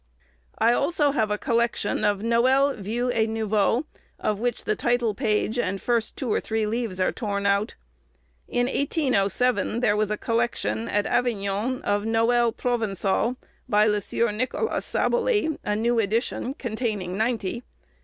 I have also a collection of "Noëls Vieux et Nouveaux," of which the title page and first two or three leaves are torn out. In 1807, there was a collection, at Avignon, of Noëls Provençaux, by Le Sieur Nicolas Saboly, a new edition, containing ninety.